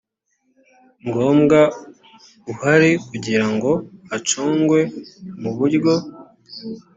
ngombwa uhari kugira ngo hacungwo mu buryo